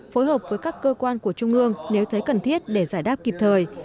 phối hợp với các cơ quan của trung ương nếu thấy cần thiết để giải đáp kịp thời